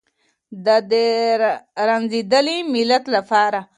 د دې رنځېدلي ملت لپاره.